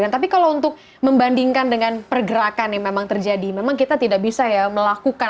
tapi kalau untuk membandingkan dengan pergerakan yang memang terjadi memang kita tidak bisa ya melakukan